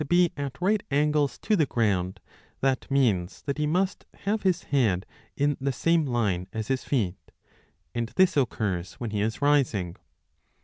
CHAPTER 30 857 b be at right angles to the ground, that means that he must have his head in the same line as his feet, and this occurs 30 when he is rising.